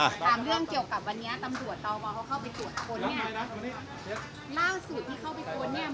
ถามเรื่องเกี่ยวกับวันนี้ตำรวจต่อมาเขาเข้าไปตรวจกรณ์เนี้ยล่าสูตรที่เข้าไปกรณ์เนี้ยมันเกี่ยวยงกับข้อมูลที่เราให้กับทางตำรวจไป